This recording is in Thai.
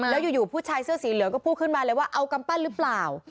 แล้วอยู่ผู้ชายเสื้อสีเหลืองก็พูดขึ้นมาเลยว่าเอากำปั้นหรือเปล่า